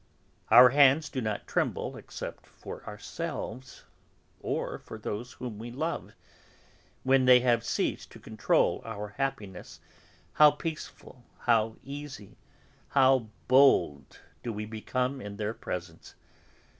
Our hands do not tremble except for ourselves, or for those whom we love. When they have ceased to control our happiness how peaceful, how easy, how bold do we become in their presence!